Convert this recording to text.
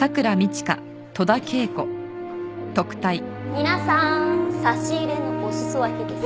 皆さん差し入れのお裾分けです。